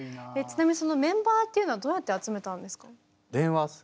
ちなみにそのメンバーっていうのはどうやって集めたんですか？